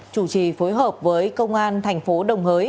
chủ trì phối hợp với công an tp đồng hới